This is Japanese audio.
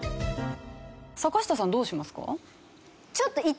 坂下さんどうしますか？